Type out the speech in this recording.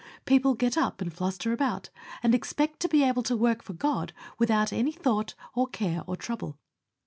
People get up and fluster about, and expect to be able to work for God without any thought or care or trouble.